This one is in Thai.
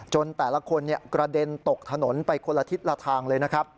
จนแต่ละคนกระเด็นตกถนนไปคนละทิศละทางเลย